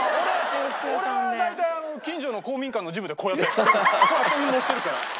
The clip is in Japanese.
俺は大体近所の公民館のジムでこうやってこうやって運動してるから。